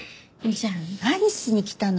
じゃあ何しに来たのよ？